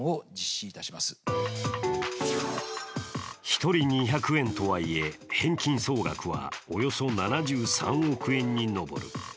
一人２００円とはいえ返金総額はおよそ７３億円に上る。